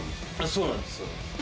そうなんですよ。